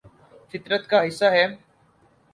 فطرت کا حصہ ہے